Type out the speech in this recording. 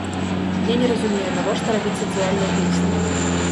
Я не разумею, навошта рабіць сацыяльныя песні!